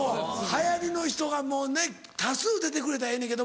流行りの人がもうね多数出てくれたらええねん